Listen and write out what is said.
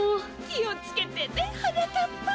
きをつけてねはなかっぱ。